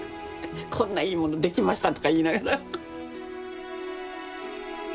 こんないいもの出来ましたとか言いながら。